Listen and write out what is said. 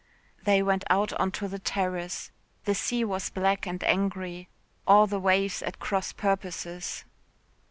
They went out on to the terrace. The sea was black and angry, all the waves at cross purposes.